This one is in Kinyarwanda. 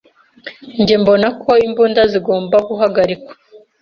Njye mbona ko imbunda zigomba guhagarikwa.